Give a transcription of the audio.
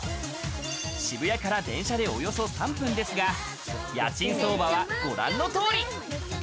渋谷から電車でおよそ３分ですが、家賃相場はご覧の通り。